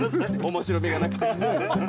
面白みがなくて。